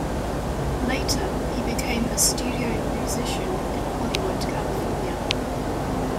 Later he became a studio musician in Hollywood, California.